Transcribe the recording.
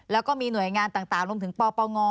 แล้วก็มีหน่วยงานต่างรวมถึงปปง